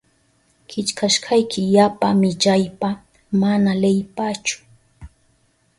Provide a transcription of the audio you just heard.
Killkashkayki yapa millaypa mana leyipachu.